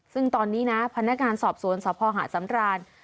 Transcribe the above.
ซึ่งตอนนี้นะพนักการณ์สอบโสนสภาหาสำราญ